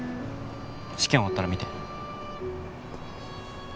試験終わったら見て